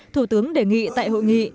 thủ tướng đề nghị tại hội nghị